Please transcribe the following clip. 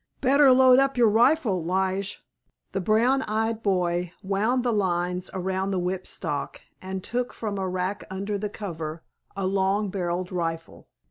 Better load up your rifle, Lige." The brown eyed boy wound the lines around the whip stock and took from a rack under the cover a long barreled rifle.